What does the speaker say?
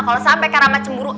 kalo sampe karama cemburu